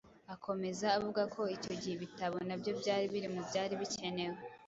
Akomeza avuga ko icyo gihe ibitabo na byo biri mu byari bikenewe